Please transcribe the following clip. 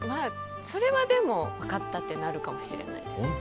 それはでも、分かったってなるかもしれないです。